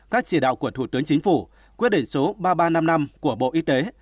các chỉ đạo của thủ tướng chính phủ quyết định số ba nghìn ba trăm năm mươi năm của bộ y tế